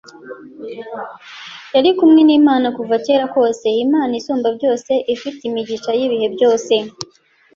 Yari kumwe n’Imana kuva kera kose, Imana isumba byose, ifite imigisha y’ibihe byose.